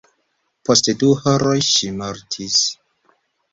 Post du horoj ŝi mortis.